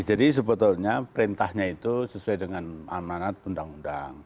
jadi sebetulnya perintahnya itu sesuai dengan amanat undang undang